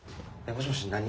もしもし何？